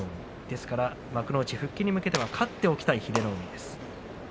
ですから幕内復帰に向けては勝っておきたい英乃海です。